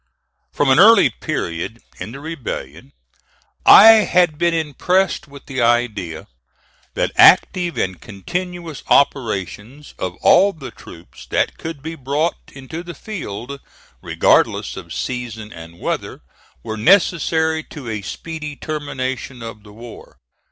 From an early period in the rebellion I had been impressed with the idea that active and continuous operations of all the troops that could be brought into the field, regardless of season and weather, were necessary to a speedy termination of the war.